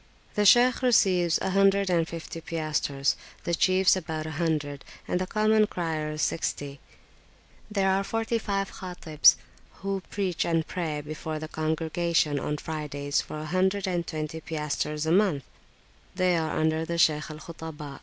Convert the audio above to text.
The Shaykh receives a hundred and fifty piastres, the chiefs about a hundred, and the common criers sixty; there are [p.374]forty five Khatibs, who preach and pray before the congregation on Fridays for a hundred and twenty piastres a month; they are under the Shaykh al Khutaba.